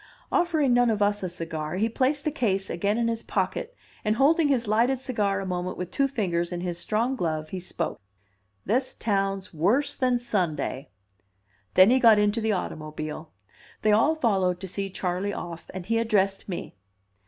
Offering none of us a cigar, he placed the case again in his pocket; and holding his lighted cigar a moment with two fingers in his strong glove, he spoke: "This town's worse than Sunday." Then he got into the automobile. They all followed to see Charley off, and he addressed me.